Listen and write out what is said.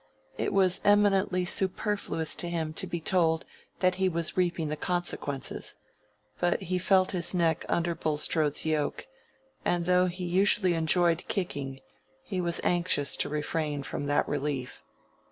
It was eminently superfluous to him to be told that he was reaping the consequences. But he felt his neck under Bulstrode's yoke; and though he usually enjoyed kicking, he was anxious to refrain from that relief.